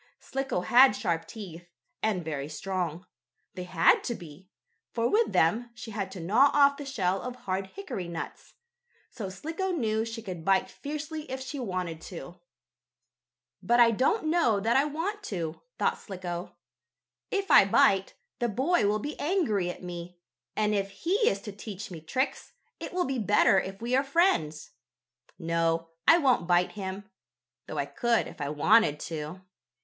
Slicko had sharp teeth, and very strong. They had to be, for with them she had to gnaw off the shell of hard hickory nuts. So Slicko knew she could bite fiercely if she wanted to. "But I don't know that I want to," thought Slicko. "If I bite, the boy will be angry at me, and if he is to teach me tricks, it will be better if we are friends. No, I won't bite him, though I could if I wanted to."